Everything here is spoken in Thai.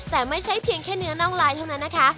แต่ไม่ใช่เพียงแค่เนื้อน่องลายเท่านั้นนะคะ